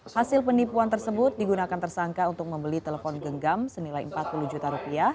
hasil penipuan tersebut digunakan tersangka untuk membeli telepon genggam senilai rp empat puluh juta rupiah